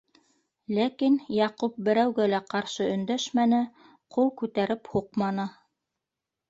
Ләкин Яҡуп берәүгә лә ҡаршы өндәшмәне, ҡул күтәреп һуҡманы.